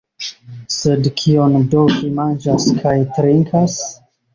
Sed kion do vi manĝas kaj trinkas?